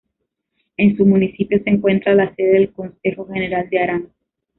En su municipio se encuentra la sede del Consejo General de Arán.